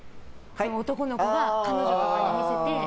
男の子が彼女とかに見せて。